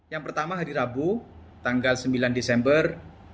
yang pertama hari rabu tanggal sembilan desember